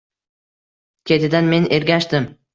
Ketidan men ergashdim.